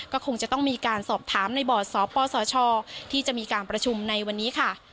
ก็คงจะต้องมีการสอบถามในบอร์ดสปสชที่จะมีการประชุมในวันนี้ค่ะ